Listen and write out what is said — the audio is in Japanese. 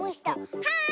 はい！